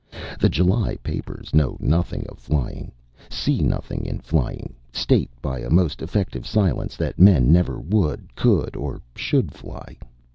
The July papers know nothing of flying, see nothing in flying, state by a most effective silence that men never would, could or should fly.